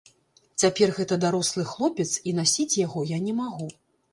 Цяпер гэта дарослы хлопец, і насіць яго я не магу.